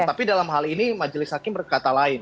tapi dalam hal ini majelis hakim berkata lain